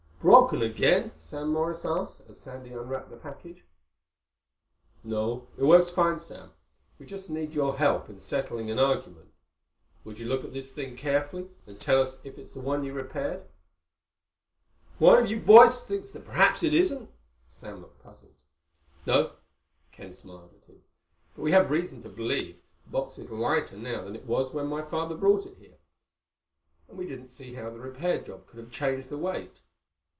"Broken again?" Sam Morris asked, as Sandy unwrapped the package. "No. It works fine, Sam. We just need your help in settling an argument. Would you look at this thing carefully and tell us if it's the one you repaired?" "One of you boys thinks that perhaps it isn't?" Sam looked puzzled. "No." Ken smiled at him. "But we have reason to believe the box is lighter now than it was when my father brought it here. And we didn't see how the repair job could have changed the weight."